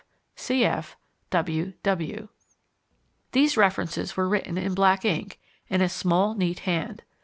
W. These references were written in black ink, in a small, neat hand.